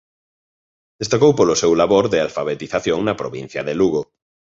Destacou polo seu labor de alfabetización na provincia de Lugo.